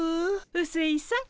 うすいさん。